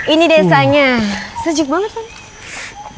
ini desanya sejuk banget pak